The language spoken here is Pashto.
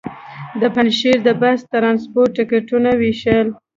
د پنجشېر د بس ټرانسپورټ ټکټونه وېشل.